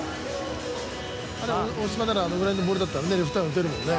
大島ならあのぐらいのボールだったらレフトまで打てるよね。